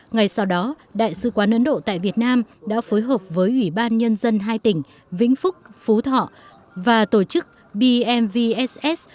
ngày sau đó đại sứ quán ấn độ tại việt nam đã phối hợp với ủy ban nhân dân hai tỉnh vĩnh phúc phú thọ và tổ chức bmvss